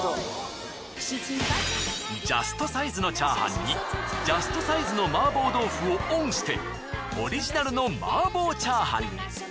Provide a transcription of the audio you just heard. ジャストサイズの炒飯にジャストサイズの麻婆豆腐をオンしてオリジナルの麻婆炒飯に。